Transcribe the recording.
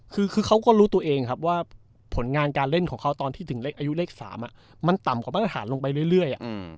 คือเขาก็รู้ตัวเองครับว่าผลงานการเล่นของเขาตอนที่ถึงอายุเลข๓มันต่ำกว่ามาตรฐานลงไปเรื่อย